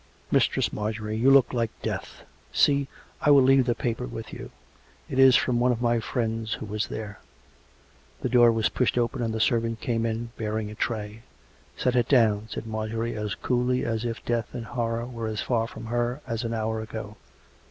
" Mistress Marjorie, you look like death. See, I will leave the paper with you. It is from one of my friends who was there, ..." The door was pushed open, and the servant came in, bearing a tray. " Set it down," said Marjorie, as coolly as if death and horror were as far from her as an hour ago.